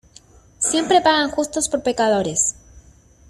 Siempre pagan justos por pecadores.